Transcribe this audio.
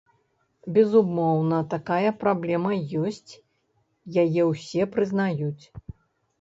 Безумоўна, такая праблема ёсць, яе ўсе прызнаюць.